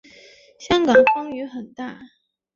香港风雨很大